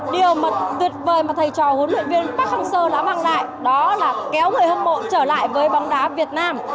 điều mà tuyệt vời mà thầy trò huấn luyện viên park hang seo đã mang lại đó là kéo người hâm mộ trở lại với bóng đá việt nam